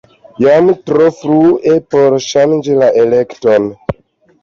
Jam tro malfrue por ŝanĝi la elekton.